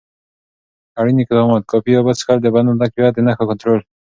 اړین اقدامات: کافي اوبه څښل، د بدن تقویت، د نښو کنټرول.